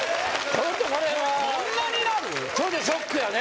ちょっとショックやね